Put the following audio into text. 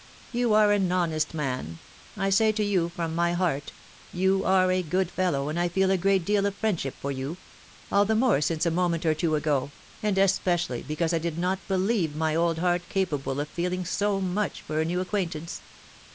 You are an honest man. I say so to you from my heart ; you are a good fellow, and I feel a great deal of 190 PHILOMi:NE's MARRIAGES. friendship for you — all the more since a moment or two ago, and especially because I did not believe my old heart capable of feeling so much for a new acquaintance.